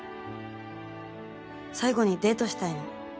最後にデートしたいの。